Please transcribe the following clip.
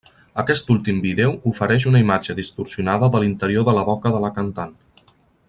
Aquest últim vídeo ofereix una imatge distorsionada de l'interior de la boca de la cantant.